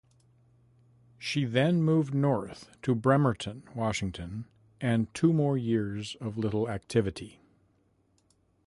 She then moved north to Bremerton, Washington, and two more years of little activity.